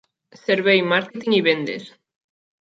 Servei, màrqueting i vendes.